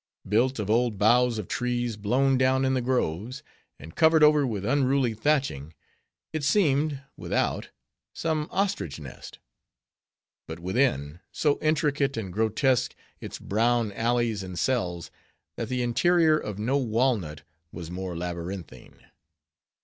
Built of old boughs of trees blown down in the groves, and covered over with unruly thatching, it seemed, without, some ostrich nest. But within, so intricate, and grotesque, its brown alleys and cells, that the interior of no walnut was more labyrinthine.